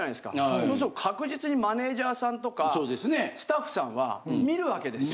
そうすると確実にマネジャーさんとかスタッフさんは見るわけですよ。